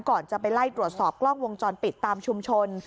ก่อนจะไปไล่ตรวจสอบกล้องวงจรปิดตามชุมชน